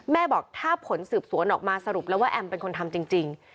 บอกถ้าผลสืบสวนออกมาสรุปแล้วว่าแอมเป็นคนทำจริง